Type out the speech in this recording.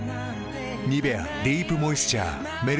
「ニベアディープモイスチャー」メルティタイプ